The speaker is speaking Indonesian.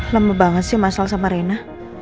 lama banget sih masalah sama rina